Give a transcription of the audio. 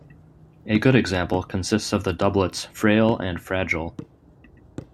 A good example consists of the doublets "frail" and "fragile".